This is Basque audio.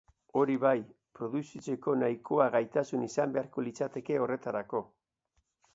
Hori bai, produzitzeko nahikoa gaitasun izan beharko litzateke horretarako.